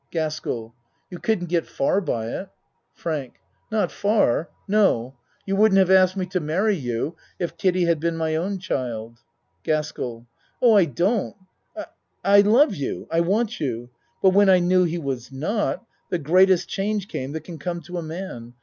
GASKELL You couldn't get far by it. FRANK Not far. No. You wouldn't have asked me to marry you if Kiddie had been my own child. GASKELL Oh, I don't I I love you. I want you. But when I knew he was not the greatest change came that can come to a man.